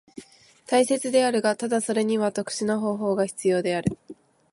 大切であるが、ただそれには特殊な方法が必要である。